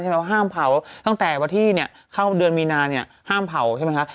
ว่าห้ามเผาตั้งแต่วันที่เนี่ยเข้าเดือนมีนาเนี่ยห้ามเผาใช่ไหมคะ